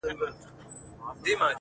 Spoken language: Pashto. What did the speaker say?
o د طبیعت په تقاضاوو کي یې دل و ول کړم.